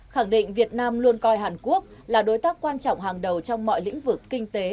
khẳng định việt nam luôn coi hàn quốc là đối tác quan trọng hàng đầu trong mọi lĩnh vực kinh tế